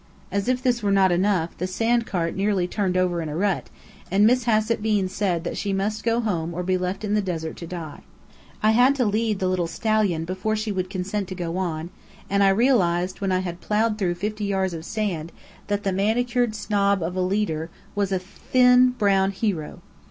As if this were not enough, the sandcart nearly turned over in a rut, and Miss Hassett Bean said that she must go home or be left to die in the desert. I had to lead the little stallion before she would consent to go on, and realized when I had ploughed through fifty yards of sand, that the manicured snob of a leader was a thin brown hero.